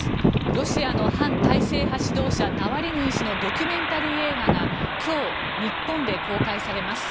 ロシアの反体制派指導者ナワリヌイ氏のドキュメンタリー映画が今日、日本で公開されます。